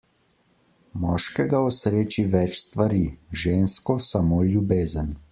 Moškega osreči več stvari, žensko samo ljubezen.